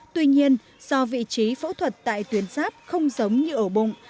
tuy nhiên do vị trí phẫu thuật tại tuyến giáp không giống như ổ bụng